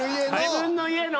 自分の家の？